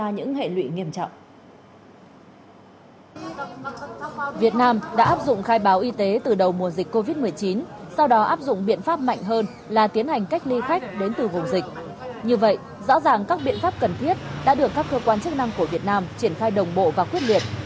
như vậy rõ ràng các biện pháp cần thiết đã được các cơ quan chức năng của việt nam triển khai đồng bộ và quyết liệt